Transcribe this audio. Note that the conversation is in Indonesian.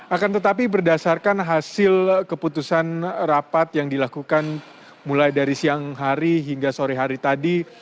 akan tetapi berdasarkan hasil keputusan rapat yang dilakukan mulai dari siang hari hingga sore hari tadi